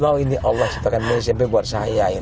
wah ini allah sampaikan smp buat saya ini